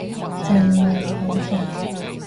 正呀，好順